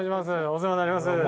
お世話になります。